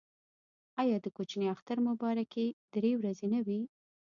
آیا د کوچني اختر مبارکي درې ورځې نه وي؟